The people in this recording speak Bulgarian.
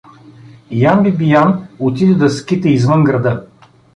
Ян Бибиян отиде да скита извън града.